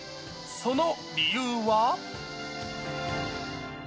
その理由は。